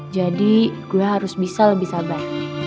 jadi gue harus bisa lebih sabar